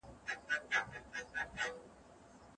تعليمي وسایل ذهن روښانه کوي.